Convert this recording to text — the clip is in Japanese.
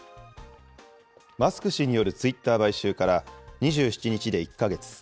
マスク氏によるツイッター買収から、２７日で１か月。